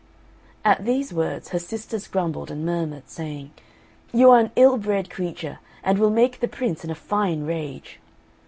At these words her sisters grumbled and murmured, saying, "You are an ill bred creature and will make the Prince in a fine rage."